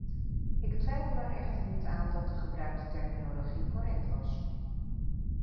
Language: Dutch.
Ik twijfel er echter niet aan dat de gebruikte terminologie correct was.